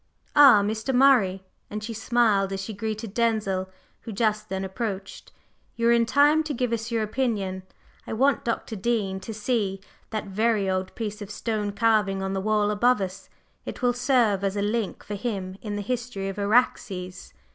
Ah, Mr. Murray!" and she smiled as she greeted Denzil, who just then approached. "You are in time to give us your opinion. I want Dr. Dean to see that very old piece of stone carving on the wall above us, it will serve as a link for him in the history of Araxes."